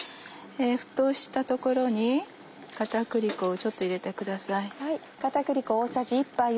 沸騰したところに片栗粉をちょっと入れてください。